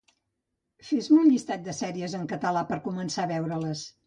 Fes-me un llistat sèries en català per començar a veure-les